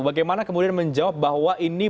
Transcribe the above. bagaimana kemudian menjawab bahwa ini